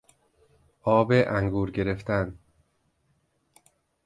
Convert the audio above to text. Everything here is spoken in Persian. آب انگور گرفتن